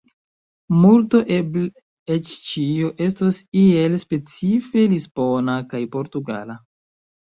Multo, eble eĉ ĉio, estos iel specife lisbona kaj portugala.